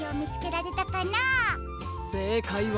せいかいは。